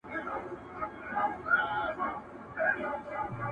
د کښتۍ آرام سفر سو ناکراره!!